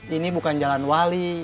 ini bukan jalan wali